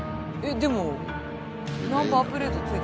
でもナンバープレート付いて。